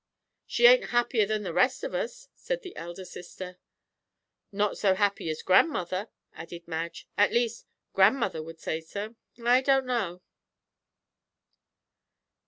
"She ain't happier than the rest of us," said the elder sister. "Not so happy as grandmother," added Madge. "At least, grandmother would say so. I don't know."